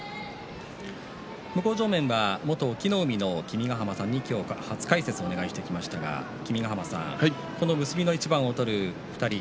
向正面は元隠岐の海の君ヶ濱さんに今日初解説をお願いしてきましたがこの結びの一番を取る２人